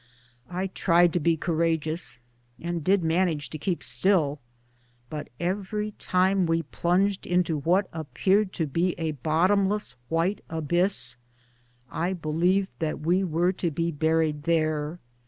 I tried to be courageous, and did manage to keep still ; but every time we plunged into what appeared to be a bottomless white abyss, I believed that we were to be buried there.